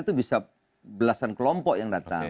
itu bisa belasan kelompok yang datang